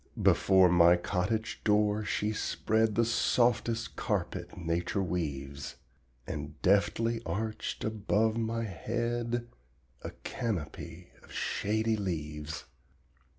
Before my cottage door she spread The softest carpet nature weaves, And deftly arched above my head A canopy of shady leaves.